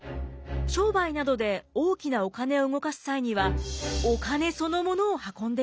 商売などで大きなお金を動かす際にはお金そのものを運んでいました。